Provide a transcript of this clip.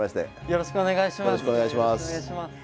よろしくお願いします。